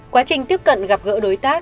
quá trình tiếp cận gặp gỡ đối tác